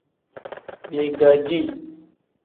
Bigaadi.